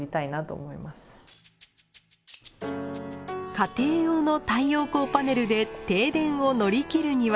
家庭用の太陽光パネルで停電を乗りきるには？